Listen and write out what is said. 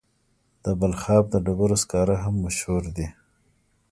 د بلخاب د ډبرو سکاره هم مشهور دي.